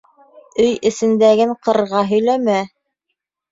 Өй эсендәген ҡырға һөйләмә.